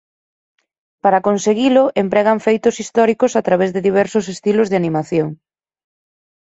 Para conseguilo empregan feitos históricos a través de diversos estilos de animación.